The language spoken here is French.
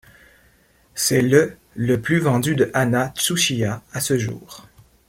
C'est le le plus vendu de Anna Tsuchiya à ce jour.